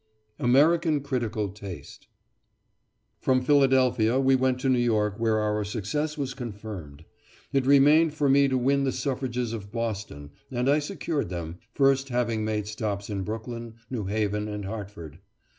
AMERICAN CRITICAL TASTE From Philadelphia we went to New York where our success was confirmed. It remained for me to win the suffrages of Boston, and I secured them, first having made stops in Brooklyn, New Haven, and Hartford.